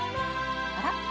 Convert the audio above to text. あら？